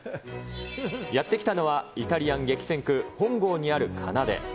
やって来たのは、イタリアン激戦区、本郷にあるカナデ。